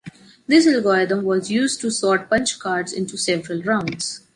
This algorithm was used to sort punch cards into several rounds.